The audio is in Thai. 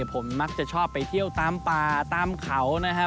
ผมมักจะชอบไปเที่ยวตามป่าตามเขานะครับ